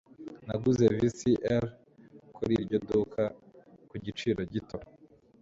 Naguze VCR kuri iryo duka ku giciro gito